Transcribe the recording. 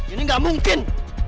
ini gak mungkin